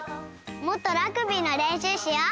もっとラグビーのれんしゅうしよう！